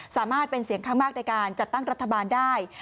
สามารถเป็นเสียงข้างมากในการจัดตั้งรัฐบาลได้